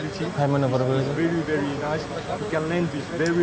dia bisa menambah kekuatan udara dengan kekuatan yang sangat tinggi